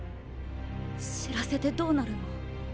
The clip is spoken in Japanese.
知らせてどうなるの？